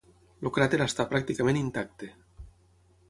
El cràter està pràcticament intacte.